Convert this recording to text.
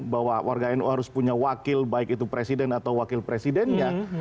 bahwa warga nu harus punya wakil baik itu presiden atau wakil presidennya